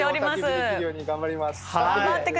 できるように頑張ります。